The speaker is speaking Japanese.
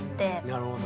なるほど。